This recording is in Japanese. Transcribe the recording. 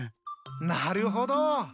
なるほど。